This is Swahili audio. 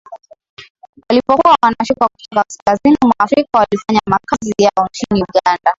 walipokuwa wanashuka kutoka kaskazini mwa Afrika walifanya makazi yao nchini Uganda